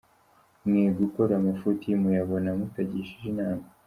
Mwe gukora amafuti muyabona mutagishije inama”.